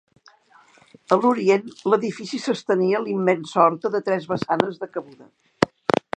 A l'Orient l'edifici s'estenia la immensa horta de tres vessanes de cabuda.